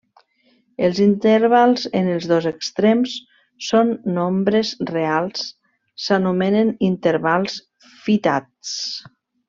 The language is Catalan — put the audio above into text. Els intervals on els dos extrems són nombres reals s'anomenen intervals fitats.